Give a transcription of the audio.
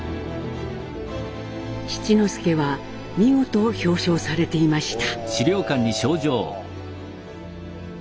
七之助は見事表彰されていました。